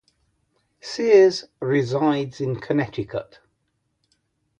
Sears resides in Connecticut.